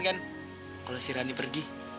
kalo si rani pergi